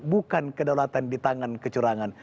bukan kedaulatan di tangan kecurangan